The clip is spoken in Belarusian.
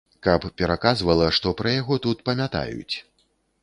Каб пераказвала, што пра яго тут памятаюць.